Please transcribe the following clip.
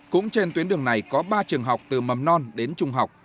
cũng trên tuyến đường này có ba trường học từ mầm non đến trung học